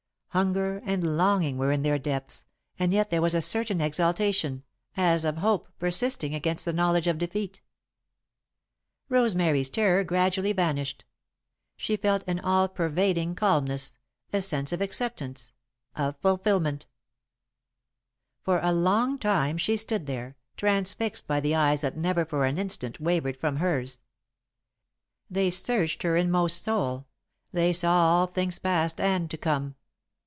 Hunger and longing were in their depths, and yet there was a certain exaltation, as of hope persisting against the knowledge of defeat. Rosemary's terror gradually vanished. She felt an all pervading calmness, a sense of acceptance, of fulfilment. [Sidenote: Not of One's Own Choice] For a long time she stood there, transfixed by the eyes that never for an instant wavered from hers. They searched her inmost soul; they saw all things past and to come.